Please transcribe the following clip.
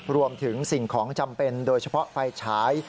สิ่งของจำเป็นโดยเฉพาะไฟฉาย